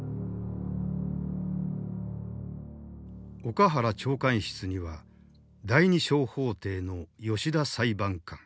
岡原長官室には第二小法廷の吉田裁判官